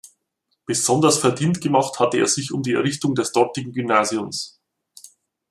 Besonders verdient gemacht hatte er sich um die Errichtung des dortigen Gymnasiums.